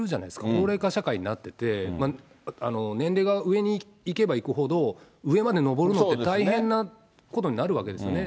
高齢化社会になってて、年齢が上に行けば行くほど、上まで上るのって大変なことになるわけですよね。